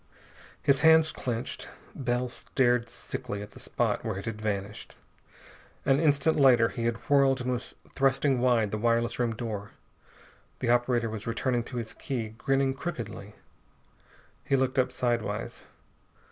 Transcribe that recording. His hands clenched. Bell stared sickly at the spot where it had vanished. An instant later he had whirled and was thrusting wide the wireless room door. The operator was returning to his key, grinning crookedly. He looked up sidewise.